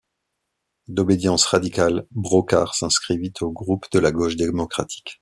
D'obédience radicale, Brocard s'inscrivit au groupe de la Gauche Démocratique.